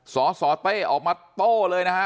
สสเต้ออกมาโต้เลยนะฮะ